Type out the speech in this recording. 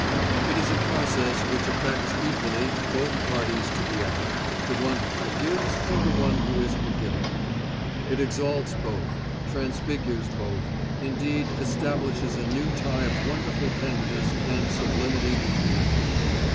It is a process which affects equally both parties to the act, the one who forgives and the one who is forgiven. It exalts both, transfigures both, indeed establishes a new tie of wonderful tenderness and sublimity between them.